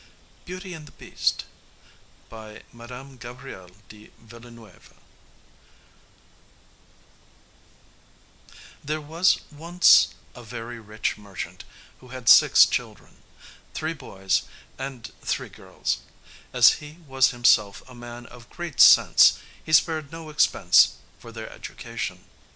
BEAUTY AND THE BEAST There was once a very rich merchant who had six children three boys and three girls. As he was himself a man of great sense, he spared no expense for their education.